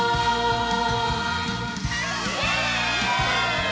イエイ！